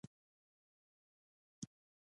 آزاد تجارت مهم دی ځکه چې ترانسپورت اسانوي.